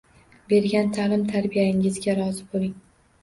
Bergan taʼlim-tarbiyangizga rozi boʻling.